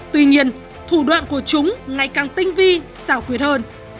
tuy nhiên thủ đoạn của chúng ngày càng tinh vi xảo quyệt hơn